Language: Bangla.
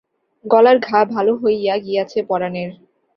গলার ঘা ভালো হইয়া গিয়াছে পরানের।